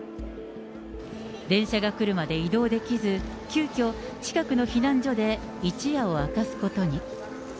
電車が車で移動できず、急きょ、近くの避難所で一夜を明かすことに。